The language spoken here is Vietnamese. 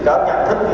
cũng không ai nói gì